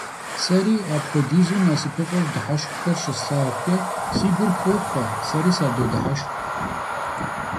Seri, apxuedizu nasıpıf'eu dıheşşxxer şıslhağuç'e, si gur xoxhue, seri sadodıheşşx.